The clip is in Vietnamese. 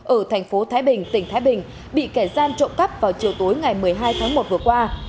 ở thành phố thái bình tỉnh thái bình bị kẻ gian trộm cắp vào chiều tối ngày một mươi hai tháng một vừa qua